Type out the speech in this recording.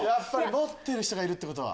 持ってる人がいるってことは。